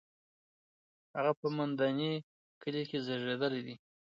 هغه په مندني کلي کې زېږېدلې ده.